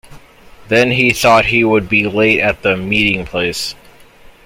Then he thought he would be late at the meeting-place.